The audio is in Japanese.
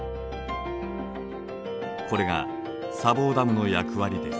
これが砂防ダムの役割です。